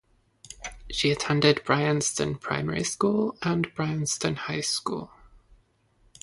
She attended Bryanston Primary School and Bryanston High School.